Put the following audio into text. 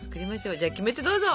じゃあキメテどうぞ！